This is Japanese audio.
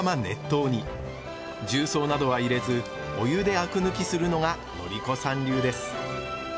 重曹などは入れずお湯であく抜きするのがのり子さん流です。